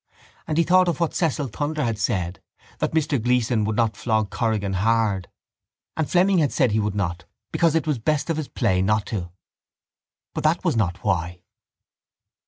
And he thought of what Cecil Thunder had said; that Mr Gleeson would not flog Corrigan hard. And Fleming had said he would not because it was best of his play not to. But that was not why.